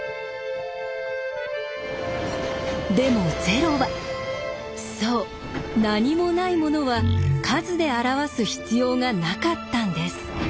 でも０はそう何もないものは数で表す必要がなかったんです。